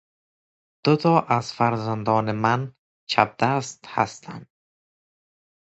دو تا از فرزندان من چپ دست هستند.